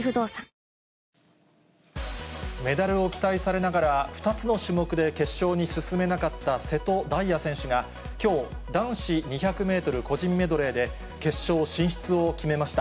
メダルを期待されながら、２つの種目で決勝に進めなかった瀬戸大也選手が、きょう、男子２００メートル個人メドレーで、決勝進出を決めました。